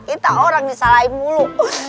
kita orang disalahin mulu